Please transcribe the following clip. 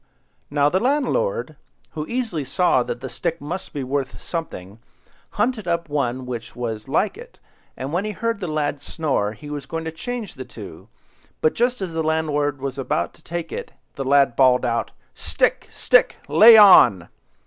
Now the landlord, who easily saw that the stick must be worth something, hunted up one which was like it, and when he heard the lad snore, was going to change the two, but just as the landlord was about to take it, the lad bawled out— "Stick, stick! lay on!"